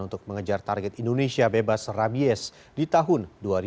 untuk mengejar target indonesia bebas rabies di tahun dua ribu dua puluh